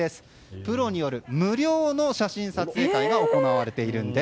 プロによる無料の写真撮影会が行われています。